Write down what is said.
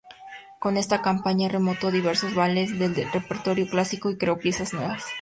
Con esta compañía remontó diversos ballets del repertorio clásico y creó piezas nuevas.